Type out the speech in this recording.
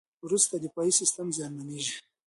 وروسته دفاعي سیستم زیانمنېږي.